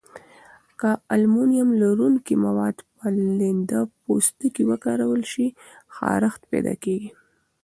که المونیم لرونکي مواد په لنده پوستکي وکارول شي، خارښت پیدا کېږي.